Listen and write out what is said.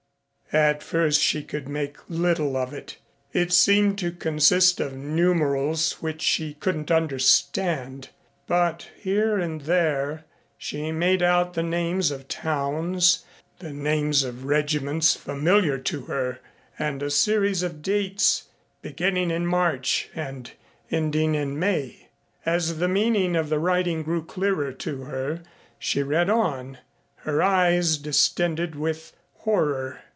At first she could make little of it, as it seemed to consist of numerals which she couldn't understand, but here and there she made out the names of towns, the names of regiments familiar to her and a series of dates, beginning in March and ending in May. As the meaning of the writing grew clearer to her, she read on, her eyes distended with horror.